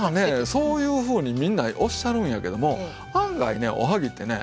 そういうふうにみんなおっしゃるんやけども案外ねおはぎってね